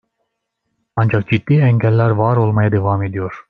Ancak ciddi engeller var olmaya devam ediyor.